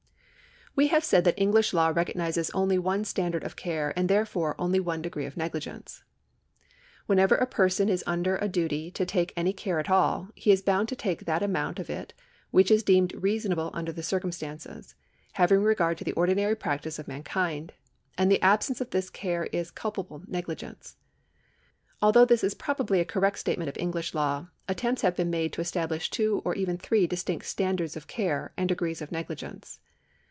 We have said that English law recognises only one standard of care and therefore only one degree of negligence. When ever a person is under a duty to take any care at all, he is l)Ound to take that amount of it which is deemed reasonable under the circumstances, having regard to the ordinary prac tice of mankind ; and the absence of this care is culpable negligence. Although this is probably a correct statement of English law, attempts have been made to establish two or even three distinct standards of care and degrees of negli gence.